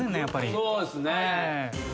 やっぱり。